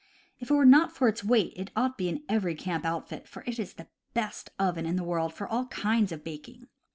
If it were not for its weight it ought to be in every camp outfit, for it is the best oven in the world for all kinds of baking.